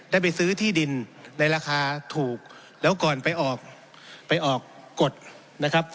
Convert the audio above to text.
ได้ไปซื้อที่ดินในราคาถูกแล้วก่อนไปออกไปออกกฎนะครับ